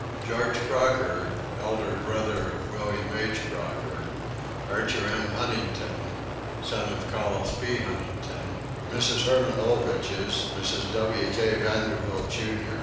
George Crocker, elder brother of William H. Crocker; Archer M. Huntington, son of Collis P. Huntington; Mrs. Herman Oelrichs, Mrs. W. K. Vanderbilt, Jr.